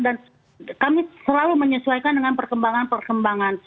dan kami selalu menyesuaikan dengan perkembangan perkembangan